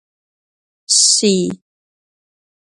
Şsiy.